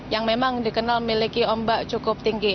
yang memang dikenal memiliki ombak cukup tinggi